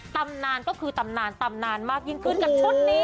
ตำนานก็คือตำนานตำนานมากยิ่งขึ้นกับชุดนี้